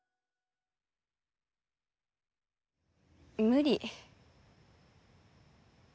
無理。